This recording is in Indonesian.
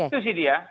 itu sih dia